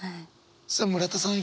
さあ村田さん